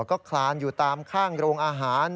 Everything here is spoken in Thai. ก็คลานอยู่ตามข้างโรงอาหาร